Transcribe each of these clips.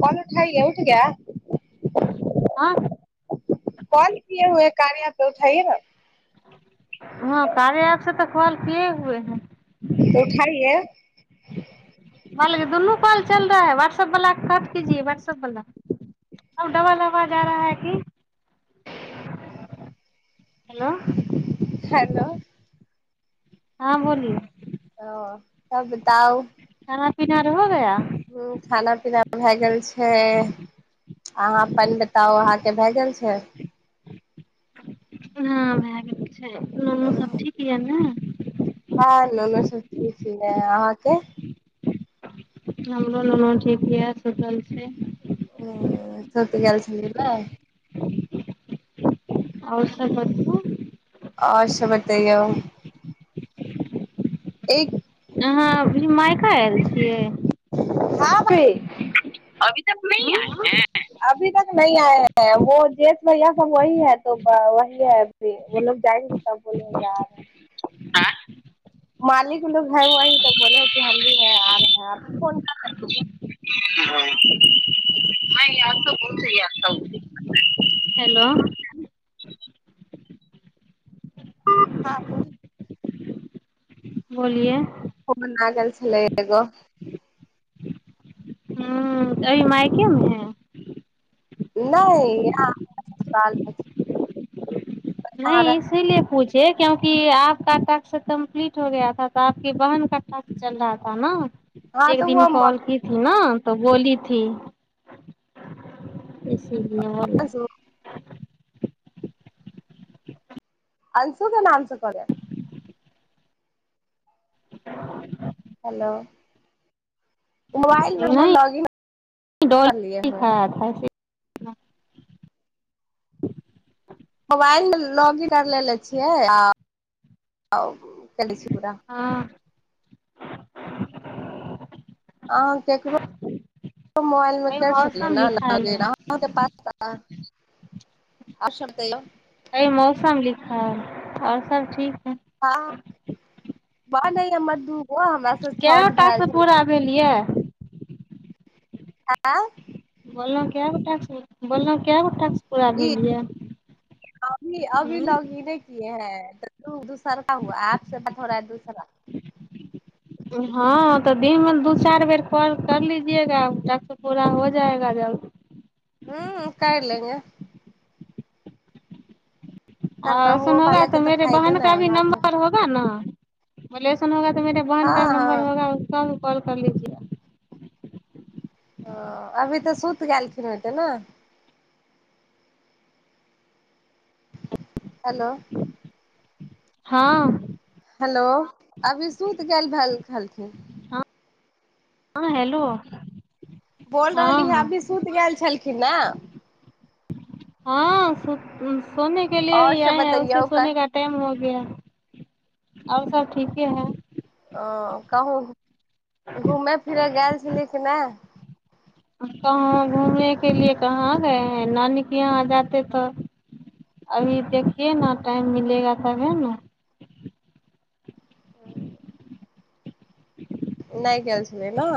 call उठाइये गया हाँ कॉल किए हुए है कार्या पे उठाइये न हँ कार्य ऐप से तऽ कल किए हुए हैं उठाइये माल दुनू काल चल रहाै व एप वाला कट कीजिये व्हाट्सएप वाला अब डबल अबाज आ रहा है की हेलो हेलो हँ बोलिय ओ तब बताउ खाना पीना आओर हो गया ह खाना पीना भए गेल छै ह अहाँ अपन बताउ अहाँ भए गेल छै हँ भ गेल अच म सब ठीक यऽ ने सबी छियै अहाँके हमरो ललन ठीक या सुतल छै हुँ सूत गेल छिय न और सब बढ़िया आओर सब बतैयौ एक अहाँ मायका आयल छियै हँ अभी तक न उं आय है जे भैया सब वह है वी है लोग जाएंगे त बोले है मालिक लोग है [unintelligible] हेलो ह बोलिए [unintelligible] [unintelligible] [unintelligible] नहि नहि हँ इसीलिए पूछे कि की आपका टास्क कम्प्लीट हो गया तऽ आपके बहन का टास्क चल रहा था ने एक एक तऽ दिन वो कॉल कीथ न तऽ बोली ी सी बल अंशु अंशु के नामस करै हेलो मोबाइलमे ने नहीं लॉग इन कर लिये हुए है हँ मोबाइल लॉग इन कर लेेले छियै आ आ करय छी पूरा हाँ [inaudible] अहाँ ककरो मोबाइलमे अभी करि सकलियै मौसम ने लिखायल है अहाँके पास आस तय अ मौसम लिखा आओर सब ठीक है हँ वाह नहि हमर दू गो हमरास कए गो छठ भेल टास्क पूरा छल भेल ये आँ बोल को बोल को ई अभी अभी लग हूँ इने किए है दूसरका हुआ आपसँ बात हो रहा है दूसरा हँ तऽ दिनमे दू चारि बेर कल कर लीजियेगा क पूरा हो जाएगा जल्द हँ कर लेंगे आ करना सुन हुओ होगा वाला तऽ के मेे फायदो बहन का नहि है भी बात हँ नम्बर होगा ने मलसन होगा मेेरे बहन का हँ नंबर होगा कॉल कर लीजिए ह अभी तऽ सुति गेलखिन ओ ते ने हेलो हँ हेलो अभी सुति गेल छलखिन हँ हेलो बोल रहली हाँ हँ हाँ अभी सुति गेल छलखिन ने हँ सु सोने के आओर लिये सब आए हं उसे बतैयौ सोने क टाइम हो आओर सब ठीके है ह कहु घूमय फिरय गेल छलै कि नहि कहाँ घूमने के लिए कहाँ गए हैं नानीक यहाँ जाते तऽ अभी देखियए न टाइम मिलेगा तब हे ने ह नहि गेल छलिय ने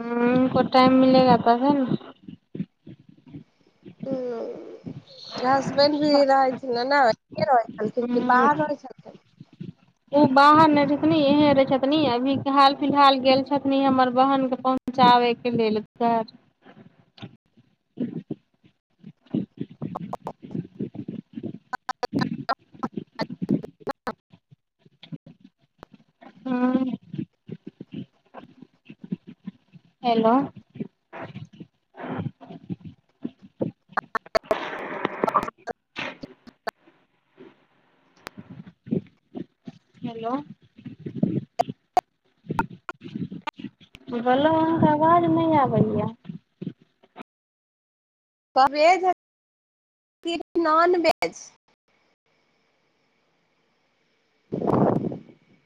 हँ हमको टाइम मिलेगा तभी न हुँ हसबैंड भी रहै छलय न हुँ ओ बाहर नहि रुकलिय यह रै छथिन अभी हाल फिलहाल गेल छथिन हमर बहनक के पहुँचाबै के लेल घर [inaudible] [inaudible] हुँ हेलो हेलो बोलहु अहाँके आवाज नहि आबैया वेज की नॉन वेज [inaudible]